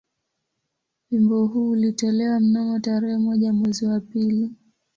Wimbo huu ulitolewa mnamo tarehe moja mwezi wa pili